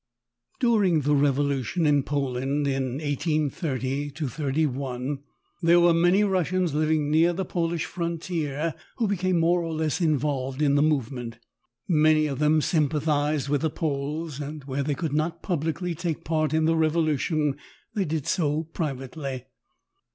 S' Irkutsk = D uring the revolution in Poland, in 8 1830 31, there were many Rus Hp. „ t sians living near the Polish frontier who ' beeame more or less involved in the movement. Many of them sympathized with the Poles, and where they eould not publiely take part in the revolution they did so privately.